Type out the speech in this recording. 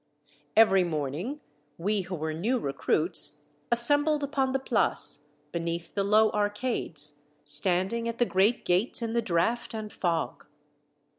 Every morn ing we who were new recruits assembled upon the My Kepi, 155 Place, beneath the low arcades, standing at the great gates in the draught and fog.